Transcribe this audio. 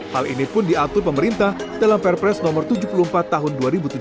hal ini pun diatur pemerintah dalam perpres no tujuh puluh empat tahun dua ribu tujuh belas